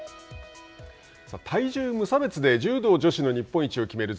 体重無差別で柔道女子の日本一を決める